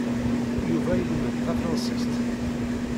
Yuba ilemmed Tafṛansist.